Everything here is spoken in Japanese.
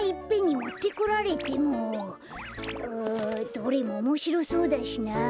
どれもおもしろそうだしな。